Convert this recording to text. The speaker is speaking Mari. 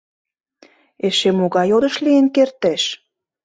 Эше могай йодыш лийын кертеш?